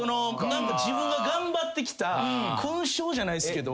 自分が頑張ってきた勲章じゃないっすけど。